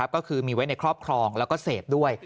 ก็คือมีไว้ในครอบครองแล้วก็เสพด้วย